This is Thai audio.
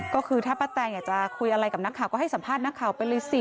ก็คือถ้าป้าแตงอยากจะคุยอะไรกับนักข่าวก็ให้สัมภาษณ์นักข่าวไปเลยสิ